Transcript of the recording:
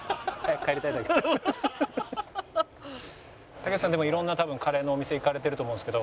竹内さんでも色んなカレーのお店行かれてると思うんですけど。